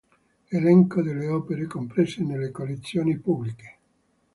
Elenco delle opere comprese nelle collezioni pubbliche.